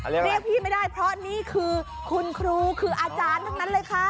เรียกพี่ไม่ได้เพราะนี่คือคุณครูคืออาจารย์ทั้งนั้นเลยค่ะ